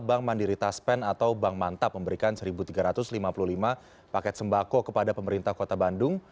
bank mandiri taspen atau bank mantap memberikan satu tiga ratus lima puluh lima paket sembako kepada pemerintah kota bandung